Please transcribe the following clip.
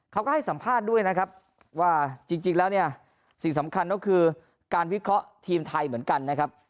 เขาก็ให้สัมภาษณ์ด้วยนะครับว่าจริงแล้วเนี่ยสิ่งสำคัญก็คือการวิเคราะห์ทีมไทยเหมือนกันนะครับ